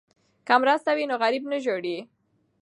که مرسته وي نو غریب نه ژاړي.